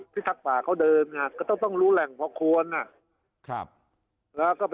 ทักษ์ป่าเขาเดินก็ต้องรู้แหล่งพอควร